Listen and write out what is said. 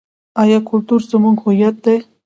آیا کلتور زموږ هویت دی؟